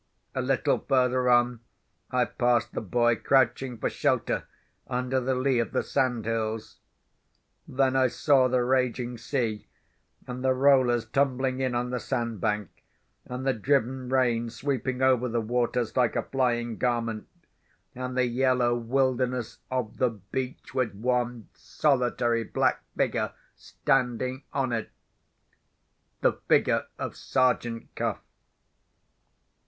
A little further on, I passed the boy crouching for shelter under the lee of the sandhills. Then I saw the raging sea, and the rollers tumbling in on the sand bank, and the driven rain sweeping over the waters like a flying garment, and the yellow wilderness of the beach with one solitary black figure standing on it—the figure of Sergeant Cuff.